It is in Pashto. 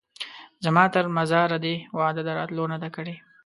زما تر مزاره دي وعده د راتلو نه ده کړې